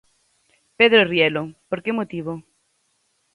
Pedro Rielo, por que motivo?